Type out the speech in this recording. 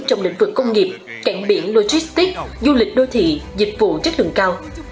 trong lĩnh vực công nghiệp cảng biển logistics du lịch đô thị dịch vụ chất lượng cao